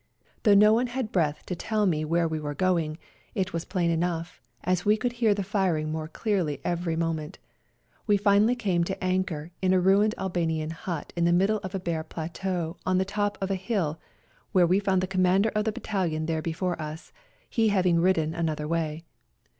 Though no one had breath to tell me where we were going, it was plain enough, as we could hear the firing more clearly every moment. We finally came to anchor in a ruined Albanian hut in the middle of a bare plateau on the top of a FIGHTING ON MOUNT CHUKUS 129 hill, where we found the Commander of the battalion there before us, he having ridden another way.